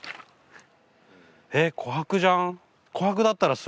えっコハクじゃん。